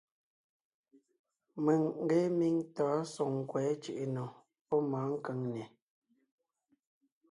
Mèŋ ngee míŋ tɔ̌ɔn Soŋkwɛ̌ Cʉ̀ʼʉnò pɔ́ mɔ̌ɔn Kʉŋnè.